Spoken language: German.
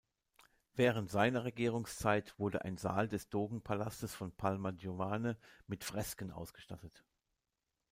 Während seiner Regierungszeit wurde ein Saal des Dogenpalastes von Palma Giovane mit Fresken ausgestattet.